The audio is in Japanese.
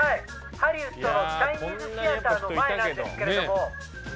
ハリウッドのチャイニーズシアターの前なんですけれども。